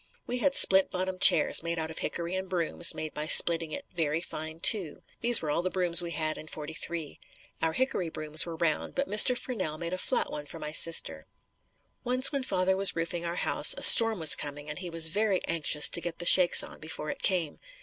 We had splint bottom chairs made out of hickory and brooms made by splitting it very fine too. These were all the brooms we had in '43. Our hickory brooms were round but Mr. Furnell made a flat one for my sister. Once when father was roofing our house, a storm was coming and he was very anxious to get the shakes on before it came.